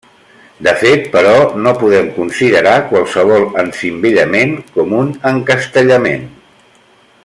De fet, però, no podem considerar qualsevol encimbellament com un encastellament.